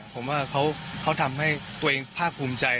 ผมว่าเขาทำให้ตัวเองภาคภูมิใจ